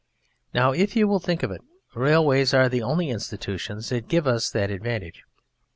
Now if you will think of it, Railways are the only institutions that give us that advantage.